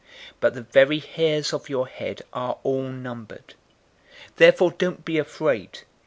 012:007 But the very hairs of your head are all numbered. Therefore don't be afraid.